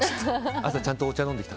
朝ちゃんとお茶飲んできた。